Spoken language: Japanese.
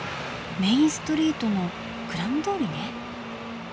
メインストリートのクラム通りね。